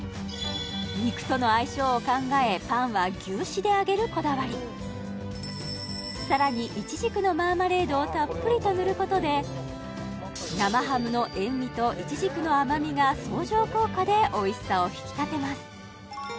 肉との相性を考えパンは牛脂で揚げるこだわりさらにイチジクのマーマレードをたっぷりと塗ることでが相乗効果でおいしさを引き立てます